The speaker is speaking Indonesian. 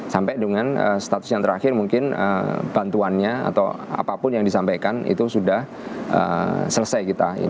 sampai dengan status yang terakhir mungkin bantuannya atau apapun yang disampaikan itu sudah selesai kita